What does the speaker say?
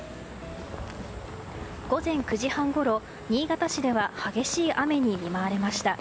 午前９時半ごろ、新潟市では激しい雨に見舞われました。